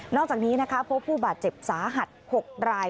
อกจากนี้นะคะพบผู้บาดเจ็บสาหัส๖ราย